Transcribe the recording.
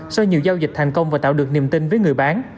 sau nhiều giao dịch thành công và tạo được niềm tin với người bán